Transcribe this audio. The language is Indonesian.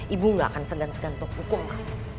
ibu nggak akan segan segan untuk hukum kamu